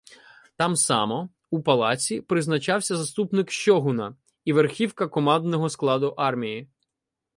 Там само у палаці призначався заступник шьоґуна і верхівка командного складу армії.